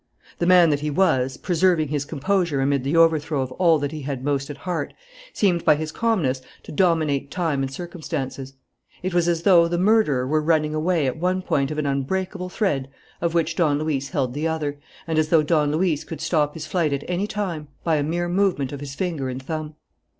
The man that he was, preserving his composure amid the overthrow of all that he had most at heart, seemed by his calmness to dominate time and circumstances. It was as though the murderer were running away at one end of an unbreakable thread of which Don Luis held the other, and as though Don Luis could stop his flight at any time by a mere movement of his finger and thumb.